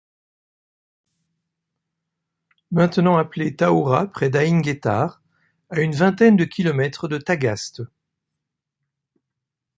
Maintenant appelée Taoura près d'Aïn Guettar, à une vingtaine de kilomètres de Thagaste.